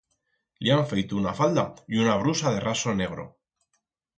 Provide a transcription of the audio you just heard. Li han feito una falda y una brusa de raso negro.